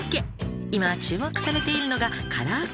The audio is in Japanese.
「今注目されているのが」